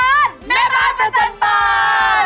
แม่บ้านประจันตร์บาน